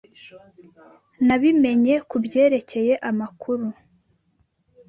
Nabimenye kubyerekeye amakuru.